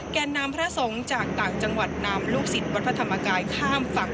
แก่นนำพระสงฆ์จากต่างจังหวัดนำลูกศิษย์วัดพระธรรมกายข้ามฝั่ง